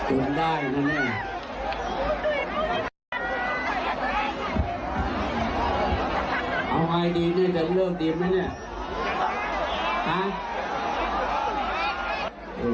เอาไหวดีนี่จะเลิกดีมั้ยเนี้ยไง